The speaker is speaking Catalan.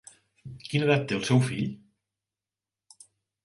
Quina edat té el seu fill?